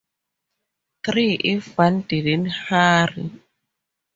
Three if one didn't hurry.